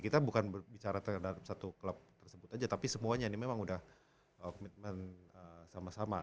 kita bukan berbicara terhadap satu klub tersebut aja tapi semuanya ini memang udah komitmen sama sama